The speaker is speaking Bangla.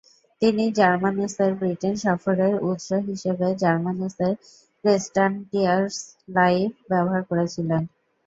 তিনি জার্মানুসের ব্রিটেন সফরের উৎস হিসেবে জার্মানুসের ক্রেস্টান্টিয়াস্স লাইফ ব্যবহার করেছিলেন।